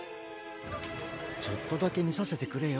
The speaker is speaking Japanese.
ちょっとだけみさせてくれよ。